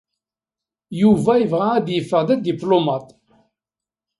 Yuba yebɣa ad d-yeffeɣ d adiplumaṭ.